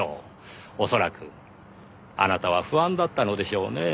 恐らくあなたは不安だったのでしょうねぇ。